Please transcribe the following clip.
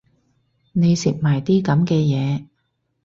你食埋啲噉嘅嘢